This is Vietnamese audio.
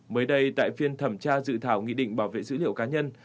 mới đây tại phiên thẩm tra dự thảo nghị định bảo vệ dữ liệu cá nhân